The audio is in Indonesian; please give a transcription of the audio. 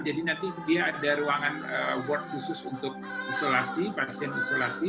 jadi nanti dia ada ruangan ward khusus untuk isolasi pasien isolasi